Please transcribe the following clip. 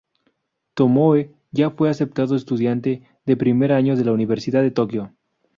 Tomoe ya fue aceptado estudiante de primer año de la universidad de Tokio.